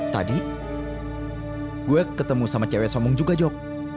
tadi gue ketemu sama cewek somong juga jok